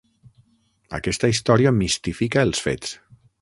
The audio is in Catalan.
Aquesta història mistifica els fets.